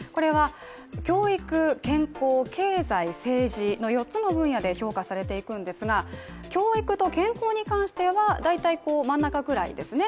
教育、健康、経済、政治の４つの分野で評価されていくんですが、教育と健康に関しては大体真ん中くらいですね